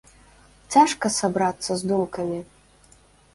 Цяжка сабрацца з думкамі.